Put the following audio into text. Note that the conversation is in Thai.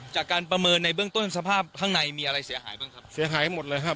จากการประเมินในเบื้องต้นสภาพข้างในมีอะไรเสียหายบ้างครับเสียหายหมดเลยครับ